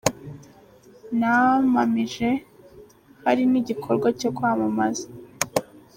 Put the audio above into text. namamije hari n’igikorwa cyo kwamamaza.